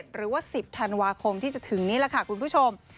หรือว่า๑๐ธันวาคมที่จะถึงนี้แหละค่ะคุณผู้ชม